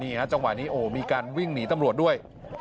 จังหวะนี้โอ้มีการวิ่งหนีตำรวจด้วย